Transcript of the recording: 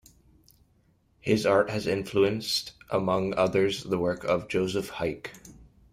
His art has influenced among others the works of Joseph Heicke.